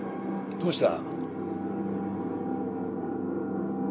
どうした？